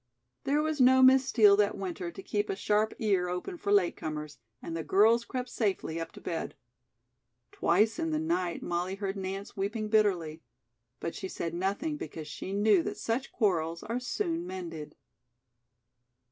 There was no Miss Steel that winter to keep a sharp ear open for late comers and the girls crept safely up to bed. Twice in the night Molly heard Nance weeping bitterly. But she said nothing because she knew that such quarrels are soon mended.